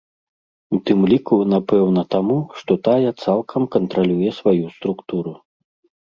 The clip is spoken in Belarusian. У тым ліку, напэўна, таму, што тая цалкам кантралюе сваю структуру.